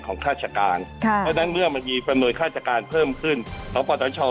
ของค่าชการค่ะทั้งด้วยประโยนค่าชการเพิ่มขึ้นเราปรับรับ